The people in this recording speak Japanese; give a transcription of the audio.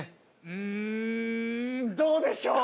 うーんどうでしょう？